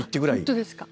本当ですか？